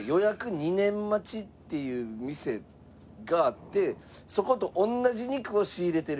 ２年待ちっていう店があってそこと同じ肉を仕入れてる。